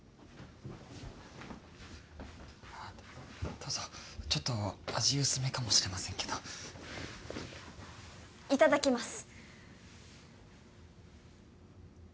どうぞちょっと味薄めかもしれませんけどいただきます